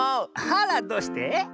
あらどうして？